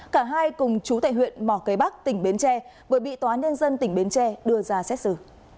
cả hai cùng chú tại huyện mỏ cây bắc tỉnh bến tre vừa bị tòa nhân dân tỉnh bến tre đưa ra xét xử